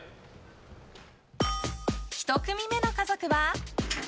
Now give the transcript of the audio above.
１組目の家族は。